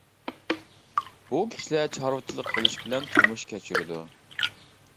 بۇ كىشىلەر چارۋىچىلىق قىلىش بىلەن تۇرمۇش كەچۈرىدۇ.